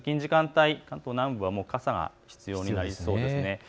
通勤時間帯、関東南部、傘が必要になりそうです。